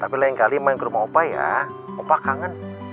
tapi lain kali main ke rumah opa ya opa kangen